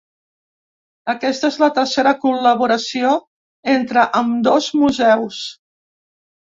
Aquesta és la tercera col·laboració entre ambdós museus.